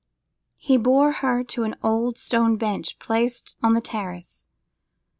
He bore her to an old stone bench placed on the terrace.